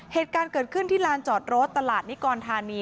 เหตุการณ์เกิดขึ้นที่ลานจอดรถตลาดนิกรธานี